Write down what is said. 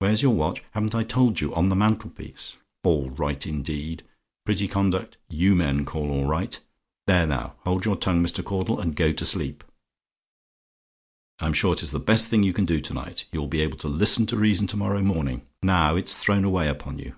"WHERE'S YOUR WATCH? "Haven't I told you on the mantelpiece? "ALL RIGHT, INDEED! "Pretty conduct you men call all right. There now, hold your tongue, Mr. Caudle, and go to sleep: I'm sure 'tis the best thing you can do to night. You'll be able to listen to reason to morrow morning; now, it's thrown away upon you.